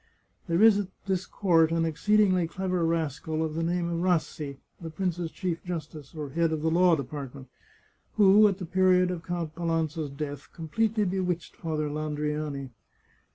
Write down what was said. There is at this court an exceedingly clever rascal of the name of Rassi, the prince's chief justice, or head of the Law Department, who, at the period of Count Palanza's death, completely bewitched Father Landriani.